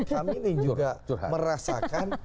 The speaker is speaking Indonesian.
kami ini juga merasakan